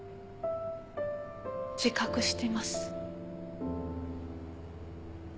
自覚してます。